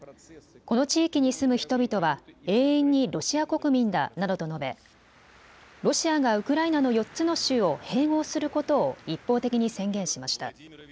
この地域に住む人々は永遠にロシア国民だなどと述べ、ロシアがウクライナの４つの州を併合することを一方的に宣言しました。